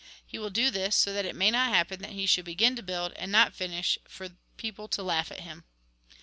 He will do this, so that it may not happen that he should begin to build, and not finish, for people to laugh at him.